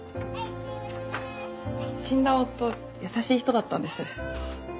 死んだ夫優しい人だったんです。